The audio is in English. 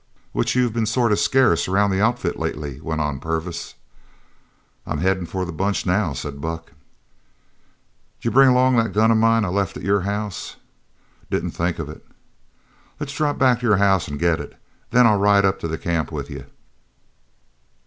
"Which you've been sort of scarce around the outfit lately," went on Purvis. "I'm headin' for the bunch now," said Buck. "D'you bring along that gun of mine I left at your house?" "Didn't think of it." "Let's drop back to your house an' get it. Then I'll ride up to the camp with you."